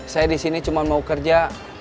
saya di sini cuma mau kerja